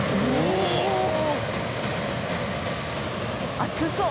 熱そう！